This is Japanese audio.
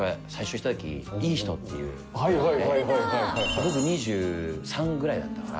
僕２３ぐらいだったから。